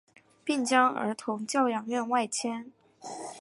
并将儿童教养院外迁。